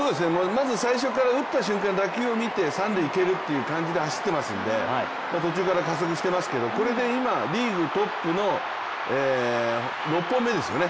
まず最初から打った瞬間打球を見て三塁を蹴るという感じで走っていますんで途中から加速してますけどこれで今、リーグトップの６本目ですよね